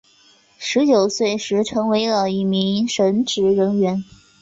十九岁时成为了一名神职人员。